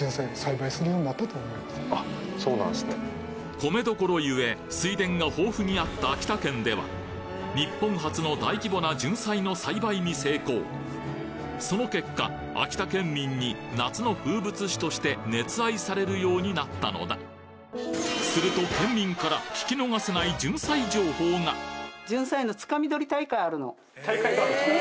米どころゆえ水田が豊富にあった秋田県では日本初の大規模なじゅんさいの栽培に成功その結果秋田県民に夏の風物詩として熱愛されるようになったのだすると県民から大会があるんですか？